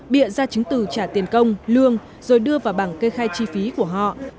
bịa ra chứng từ trả tiền công lương rồi đưa vào bảng kê khai chi phí của họ